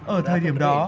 ở thời điểm đó